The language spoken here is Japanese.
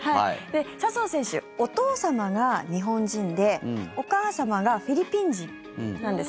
笹生選手、お父様が日本人でお母様がフィリピン人なんです。